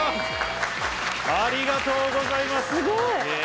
ありがとうございます。